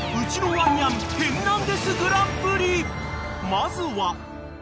［まずは］